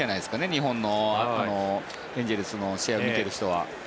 日本のエンゼルスの試合を見ている人は。